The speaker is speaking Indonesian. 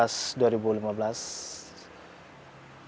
saya sudah berusaha untuk membuat video